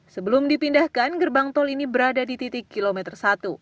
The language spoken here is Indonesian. sebelum dipindahkan gerbang tol ini berada di titik kilometer satu